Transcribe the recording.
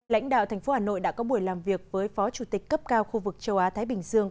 lãnh đạo thành phố hà nội đã có buổi làm việc với phó chủ tịch cấp cao khu vực châu á thái bình dương